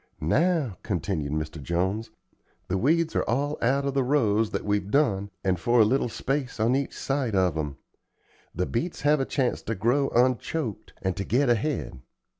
"Now," continued Mr. Jones, "the weeds are all out of the rows that we've done, and for a little space on each side of 'em. The beets have a chance to grow unchoked, and to get ahead.